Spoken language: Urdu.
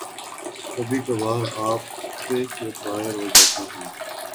کبھی کبھار آپے سے باہر ہو جاتا ہوں